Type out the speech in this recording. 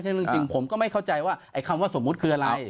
ซึ่งจริงผมก็ไม่เข้าใจว่าไอ้คำว่าสมมุติคืออะไร